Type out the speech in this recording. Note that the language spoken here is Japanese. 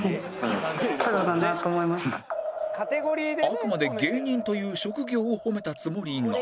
あくまで芸人という職業を褒めたつもりが